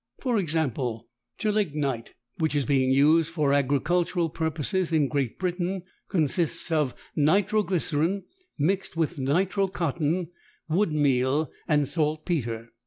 For example, gelignite, which is being used for agricultural purposes in Great Britain, consists of nitro glycerine mixed with nitro cotton, wood meal and saltpetre.